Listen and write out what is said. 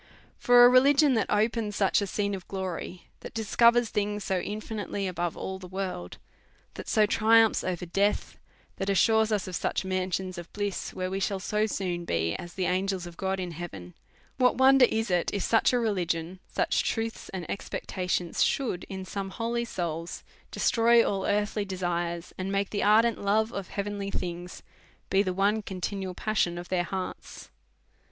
For a religion that opens such a scene of glory, that discovers things so infinitely above all the worlds that so triumphs over death, that assures us of such mansions of bliss, where we shall so soon be as the angels of God in heaven ; what wonder is it, if such a religion, such truths and expectations, should, in some holy souls, destroy all earthly desires, and make the ardent love of heavenly things be the one conti nual passion of their hearts